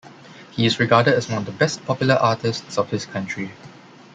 He is regarded as one of the best popular artists of his country.